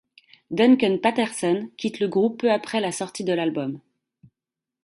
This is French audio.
Duncan Patterson quitte le groupe peu après la sortie de l'album.